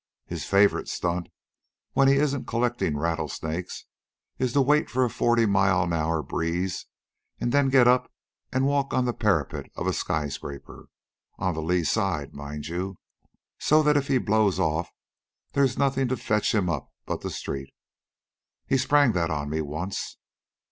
His favorite stunt, when he isn't collecting rattlesnakes, is to wait for a forty mile an hour breeze, and then get up and walk on the parapet of a skyscraper on the lee side, mind you, so that if he blows off there's nothing to fetch him up but the street. He sprang that on me once."